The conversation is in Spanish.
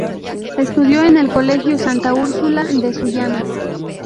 Estudió en el Colegio Santa Úrsula de Sullana.